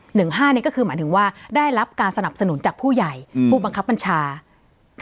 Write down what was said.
ห้านี่ก็คือหมายถึงว่าได้รับการสนับสนุนจากผู้ใหญ่อืมผู้บังคับบัญชา